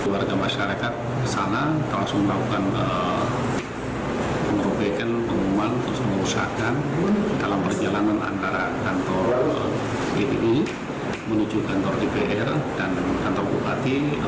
warga masyarakat kesana langsung melakukan pengurusan dalam perjalanan antara kantor bkd menuju kantor dpr dan kantor bupati